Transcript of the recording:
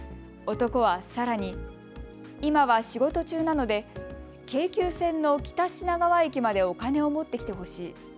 男はさらに今は仕事中なので京急線の北品川駅までお金を持ってきてほしい。